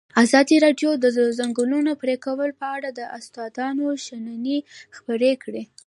ازادي راډیو د د ځنګلونو پرېکول په اړه د استادانو شننې خپرې کړي.